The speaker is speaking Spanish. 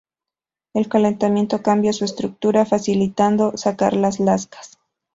El calentamiento cambia su estructura, facilitando sacar lascas.